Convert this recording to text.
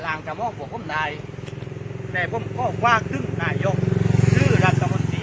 ล่างจำว่าผมได้แต่ผมก็ว่าขึ้นนายกซึ่งรัฐสมมุติ